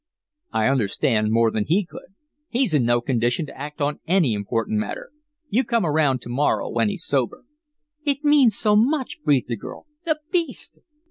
"I understand more than he could. He's in no condition to act on any important matter. You come around to morrow when he's sober." "It means so much," breathed the girl. "The beast!"